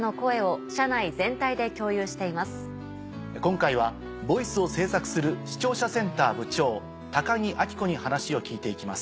今回は「ＶＯＩＣＥ」を制作する視聴者センター部長高木明子に話を聞いて行きます。